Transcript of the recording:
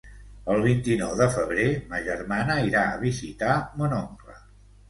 El vint-i-nou de febrer ma germana irà a visitar mon oncle.